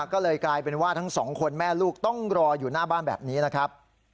ก็เลยกลายเป็นว่าทั้งสองคนแม่ลูกต้องรออยู่หน้าบ้านแบบนี้นะครับ